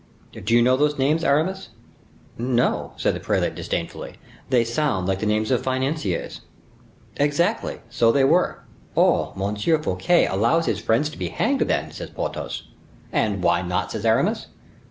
"Do you know these names, Aramis?" "No," said the prelate, disdainfully; "they sound like the names of financiers." "Exactly; so they were." "Oh! M. Fouquet allows his friends to be hanged, then," said Porthos. "And why not?" said Aramis.